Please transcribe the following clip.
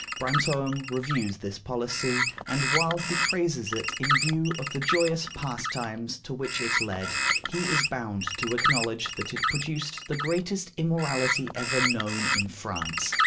Brantome reviews this policy, and while he praises it in view of the "joyous pastimes" to which it led, he is bound to acknowledge that it produced the greatest immorality ever known in France.